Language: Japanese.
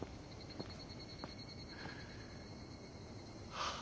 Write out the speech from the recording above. はあ。